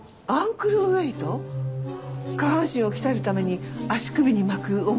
下半身を鍛えるために足首に巻く重りの？